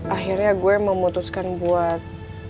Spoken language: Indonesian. akhirnya gue memutuskan buat